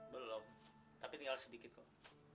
belum tapi tinggal sedikit kok